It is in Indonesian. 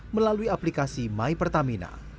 melalui aplikasi my pertamina